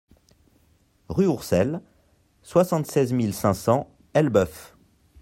Rue Oursel, soixante-seize mille cinq cents Elbeuf